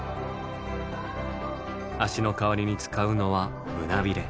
足の代わりに使うのは胸びれ。